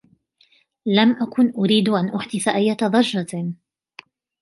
لم أكن أريد أن أحدث أية ضجة.